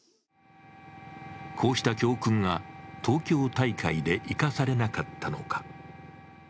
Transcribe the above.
こうした教訓が、東京大会で生かされなかったのか。